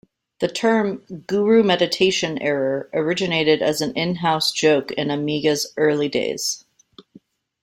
The term "Guru Meditation Error" originated as an in-house joke in Amiga's early days.